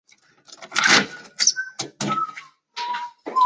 全幅以寒色调为主